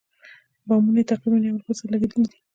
بامونه یې تقریباً یو له بل سره لګېدلي دي.